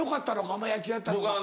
お前野球やってたりとか。